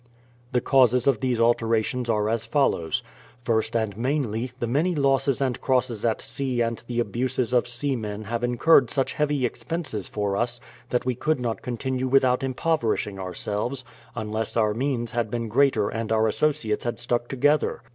The causes of these alterations are as follows : First and mainly, the many losses and crosses at sea and the abuses of sea men have incurred^ such heavy expenses for us that we could not continue without impoverishing ourselves, unless our means had been greater and our associates had stuck together.